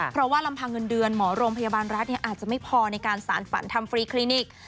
เพราะว่าลำพังเงินเดือนหมอโรงพยาบาลรัฐอาจจะไม่พอในการสารฝันทำฟรีคลินิก